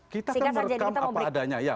kita merekam apa adanya